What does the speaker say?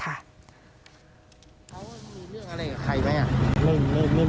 เขามีเรื่องอะไรกับใครไหม